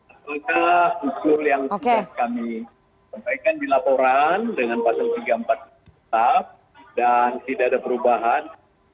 apakah usul yang sudah kami sampaikan di laporan dengan pasal tiga puluh empat tetap dan tidak ada perubahan